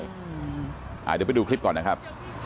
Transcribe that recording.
เดี๋ยวไปดูคลิปก่อนนะครับ